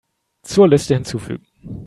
Zur Liste hinzufügen.